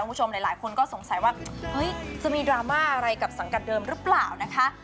คุณผู้ชมหลายคนก็สงสัยว่าเฮ้ยจะมีดราม่าอะไรกับสังกัดเดิมหรือเปล่านะคะ